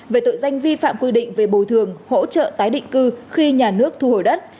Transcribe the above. về tội danh vi phạm quy định về bồi thường hỗ trợ tái định cư khi nhà nước thu hồi đất